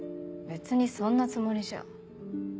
別にそんなつもりじゃ。